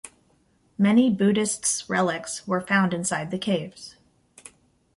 Many Buddhists relics were found inside the caves.